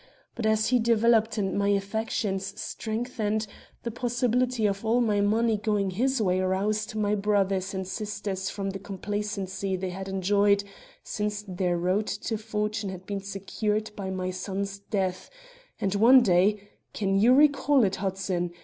But, as he developed and my affections strengthened, the possibility of all my money going his way roused my brothers and sisters from the complacency they had enjoyed since their road to fortune had been secured by my son's death, and one day can you recall it, Hudson?